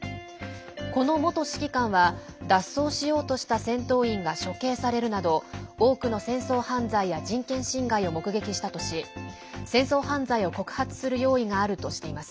この元指揮官は脱走しようとした戦闘員が処刑されるなど多くの戦争犯罪や人権侵害を目撃したとし戦争犯罪を告発する用意があるとしています。